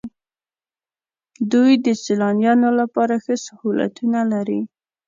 دوی د سیلانیانو لپاره ښه سهولتونه لري.